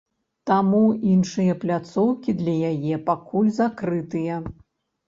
Таму іншыя пляцоўкі для яе пакуль закрытыя.